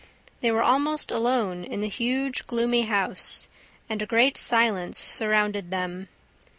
They were almost alone in the huge, gloomy house; and a great silence surrounded them.